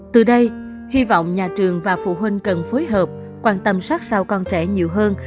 từ đây hy vọng nhà trường và phụ huynh cần phối hợp quan tâm sát sao con trẻ nhiều hơn